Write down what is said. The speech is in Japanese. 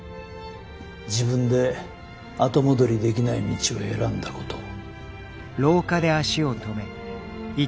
自分で後戻りできない道を選んだことを。